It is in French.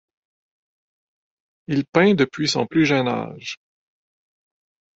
Il peint depuis son plus jeune âge.